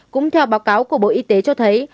cũng theo báo cáo của bộ y tế cho thấy